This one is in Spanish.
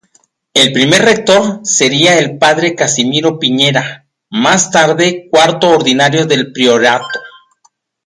El primer rector sería el Padre Casimiro Piñera, más tarde cuarto ordinario del priorato.